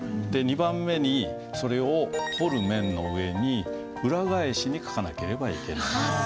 で２番目にそれを彫る面の上に裏返しに書かなければいけない。